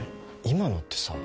今のってさ